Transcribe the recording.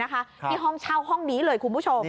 ห้องเช่าห้องนี้เลยคุณผู้ชม